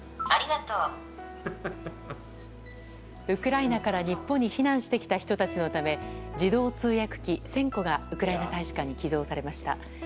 ウクライナから日本に避難してきた人たちのため自動通訳機１０００個がウクライナ大使館に寄贈されました。